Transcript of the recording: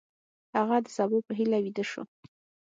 هغه د سبا په هیله ویده شو.